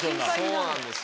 そうなんですよ。